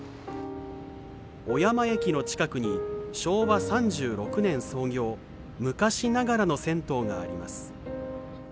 小山駅の近くに昭和３６年創業昔ながらの銭湯があります。